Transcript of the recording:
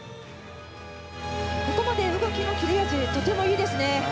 ここまで、動きの切れ味、とてもいいですね。